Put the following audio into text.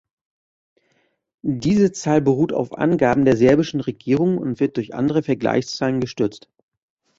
Diese Zahl beruht auf Angaben der serbischen Regierung und wird durch andere Vergleichszahlen gestützt.